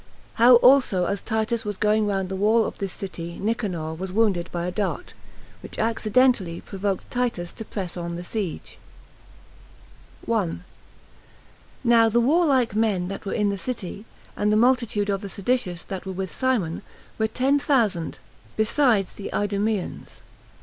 How Also As Titus Was Going Round The Wall Of This City Nicanor Was Wounded By A Dart; Which Accident Provoked Titus To Press On The Siege. 1. Now the warlike men that were in the city, and the multitude of the seditious that were with Simon, were ten thousand, besides the Idumeans.